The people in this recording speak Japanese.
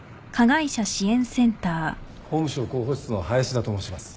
法務省広報室の林田と申します。